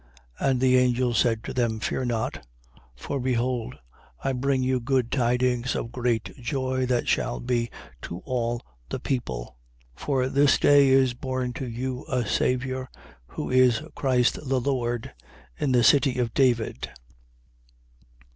2:10. And the angel said to them: Fear not; for, behold, I bring you good tidings of great joy that shall be to all the people: 2:11. For, this day is born to you a Saviour, who is Christ the Lord, in the city of David.